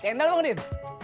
cendol bang udin